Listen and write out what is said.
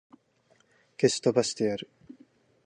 消し飛ばしてやる!